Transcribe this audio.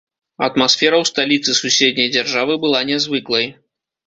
Атмасфера ў сталіцы суседняй дзяржавы была нязвыклай.